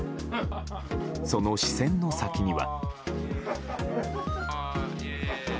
その視線の先には。